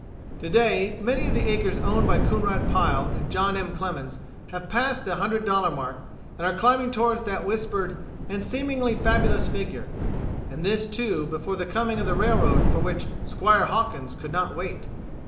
To day many of the acres owned by Coonrod Pile and John M. Clemens have passed the hundred dollar mark and are climbing toward that whispered and seemingly fabulous figure. And this, too, before the coming of the railroad for which "Squire Hawkins" could not wait.